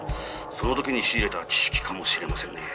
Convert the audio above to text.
「その時に仕入れた知識かもしれませんねぇ」